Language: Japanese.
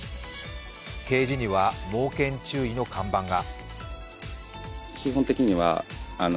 ケージには「猛犬注意」の看板が。